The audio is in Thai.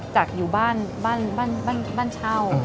จากอยู่บ้านเช่า